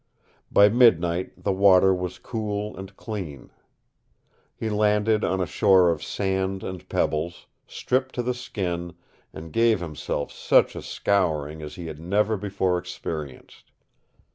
By midnight the water was cool and clean. He landed on a shore of sand and pebbles, stripped to the skin, and gave himself such a scouring as he had never before experienced.